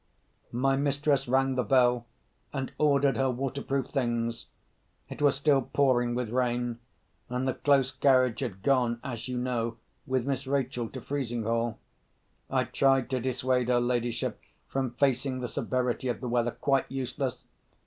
My mistress rang the bell, and ordered her waterproof things. It was still pouring with rain; and the close carriage had gone, as you know, with Miss Rachel to Frizinghall. I tried to dissuade her ladyship from facing the severity of the weather. Quite useless!